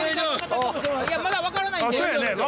まだ分からないんで！